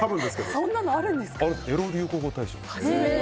そんなのあるんですか。